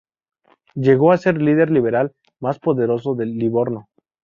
Llegó a ser el líder liberal más poderoso de Livorno.